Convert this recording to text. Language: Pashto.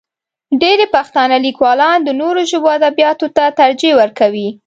ډېری پښتانه لیکوالان د نورو ژبو ادبیاتو ته ترجیح ورکوي.